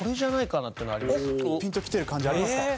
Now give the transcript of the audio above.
おっピンときてる感じありますか？